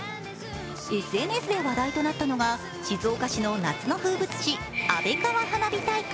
ＳＮＳで話題となったのが、静岡市の夏の風物詩、安倍川花火大会。